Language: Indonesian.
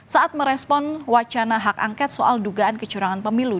saat merespon wacana hak angket soal dugaan kecurangan pemilu dua ribu dua puluh empat